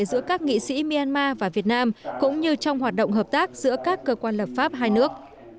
giữa các nghị sĩ myanmar và việt nam cũng như trong hoạt động hợp tác giữa các cơ quan lập pháp hai nước